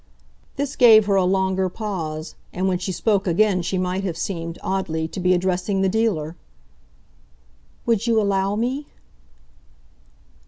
This gave her a longer pause, and when she spoke again she might have seemed, oddly, to be addressing the dealer. "Would you allow me